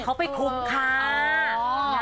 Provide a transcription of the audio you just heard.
เขาไปคุมค่ะ